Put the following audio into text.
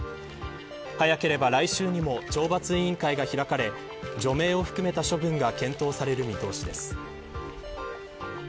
早ければ来週にも懲罰委員会が開かれ除名を含めた処分が検討される見通しです。